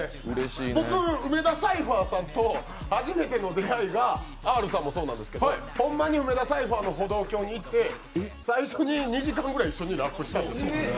僕、梅田サイファーさんと初めての出会いがＲさんもそうなんですけど、ホンマに梅田サイファーの歩道橋に行って最初に２時間ぐらい一緒にラップしたんですよ。